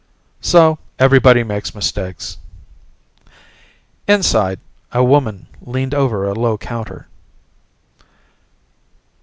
"So everybody makes mistakes." Inside, a woman leaned over a low counter.